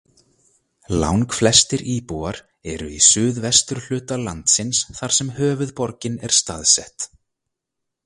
Langflestir íbúar eru í suðvesturhluta landsins þar sem höfuðborgin er staðsett.